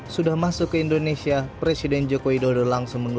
sudah masuk ke indonesia presiden joko widodo langsung menggelar